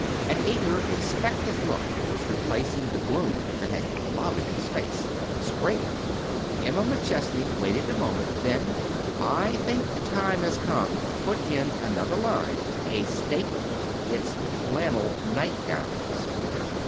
An eager, expectant look was replacing the gloom that bad clouded his face. "Spring it." Emma McChesney waited a moment; then, "I think the time has come to put in another line a staple. It's flannel nightgowns."